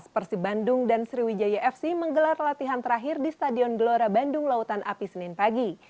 persib bandung dan sriwijaya fc menggelar latihan terakhir di stadion gelora bandung lautan api senin pagi